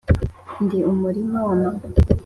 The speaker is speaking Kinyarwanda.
ndi umurima wa mama.